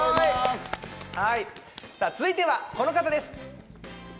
続いてはこの方です。